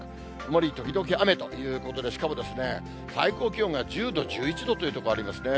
曇り時々雨ということで、しかも最高気温が１０度、１１度という所ありますね。